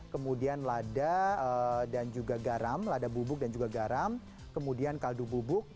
kemudian lada dan juga garam lada bubuk dan juga garam kemudian kaldu bubuk